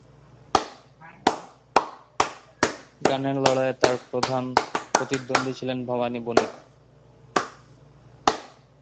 গানের লড়াইয়ে তাঁর প্রধান প্রতিদ্বন্দ্বী ছিলেন ভবানী বণিক।